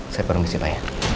saya permisi pak